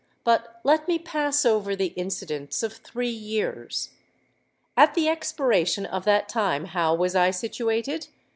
But let me pass over the incidents of three years. At the expiration of that time how was I situated?